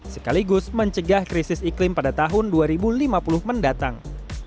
sekaligus mencegah krisis iklim pada tahun dua ribu lima puluh mendatang